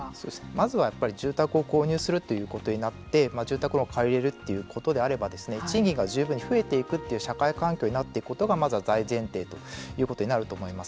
まずは住宅を購入するということになって住宅を借り入れるということであれば賃金が十分に増えていくという社会環境になることがまずは大前提になると思います。